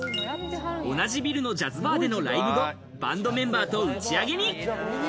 同じビルのジャズバーでのライブ後、バンドメンバーと打ち上げに。